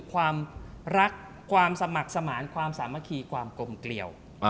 ความรักความสมัครสมานความสามัคคีความกลมเกลียว